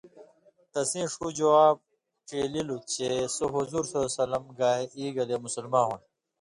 تسیں ݜُو جواب ڇیلِلوۡ چےۡ سو حضورؐ گے اېگلے مسلما ہُوۡن٘دُوۡ۔